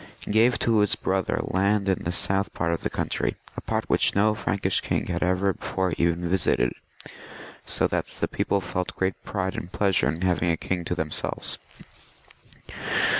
He gave to his brother land in the south part of the country, a part which no Frankish king had ever before even visited, so that the people felt great pride and pleasure in having a king to themselves.